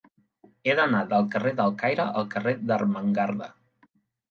He d'anar del carrer del Caire al carrer d'Ermengarda.